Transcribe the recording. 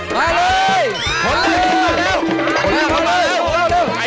มาเลยมามามามาเลย